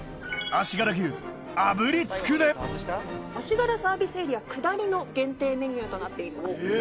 足柄サービスエリア下りの限定メニューとなっています。